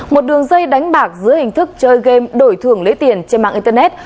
một đường dây đánh bạc dưới hình thức chơi game đổi thưởng lấy tiền trên mạng internet